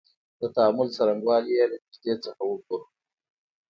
د تعامل څرنګوالی یې له نیږدې څخه وګورو.